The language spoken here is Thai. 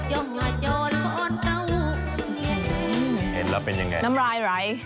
เห็นแล้วเป็นอย่างไรน้ำลายอะไร